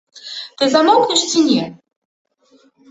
Ты замоўкнеш ці не!